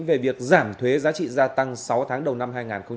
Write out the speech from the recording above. về việc giảm thuế giá trị gia tăng sáu tháng đầu năm hai nghìn hai mươi